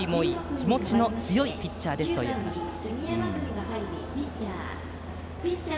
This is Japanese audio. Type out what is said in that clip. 気持ちの強いピッチャーですという話です。